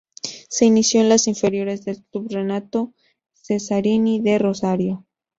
Se inició en las inferiores del Club Renato Cesarini de Rosario.